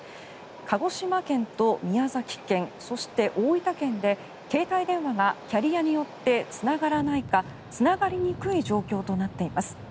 鹿児島県と宮崎県そして、大分県で携帯電話がキャリアによってつながらないかつながりにくい状況となっています。